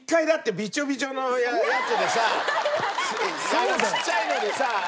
そんなちっちゃいのでさ